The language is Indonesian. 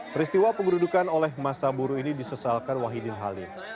peristiwa pengerudukan oleh masa buruh ini disesalkan wahidin halim